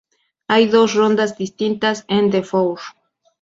Hay dos rondas distintas en The Four.